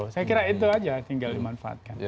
saya kira itu aja tinggal dimanfaatkan